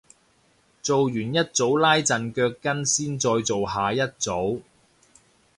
做完一組拉陣腳筋先再做下一組